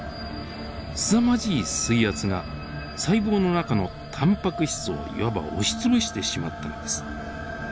すさまじい水圧が細胞の中のたんぱく質をいわば押し潰してしまったのです。